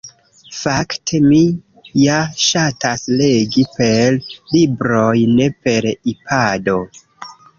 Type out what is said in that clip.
Fakte, mi ja ŝatas legi per libroj ne per ipado